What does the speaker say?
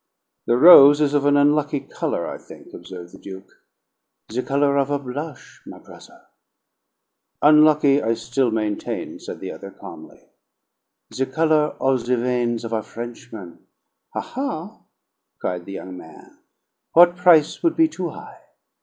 "The rose is of an unlucky color, I think," observed the Duke. "The color of a blush, my brother." "Unlucky, I still maintain," said the other calmly. "The color of the veins of a Frenchman. Ha, ha!" cried the young man. "What price would be too high?